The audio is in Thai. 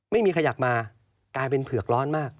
ไม่มีใครอยากมากลายเป็นเผือกร้อนมาก